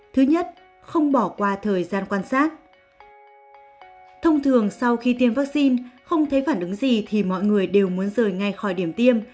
thông thường sau khi tiêm vaccine không thấy phản ứng gì thì mọi người đều muốn rời ngay khỏi điểm tiêm